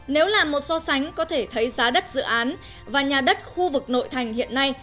nếu làm một so sánh có thể thấy giá đất dự án và nhà đất khu vực nội thành hiện nay